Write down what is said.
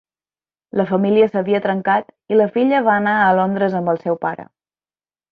La família s'havia trencat i la filla va anar a Londres amb el seu pare.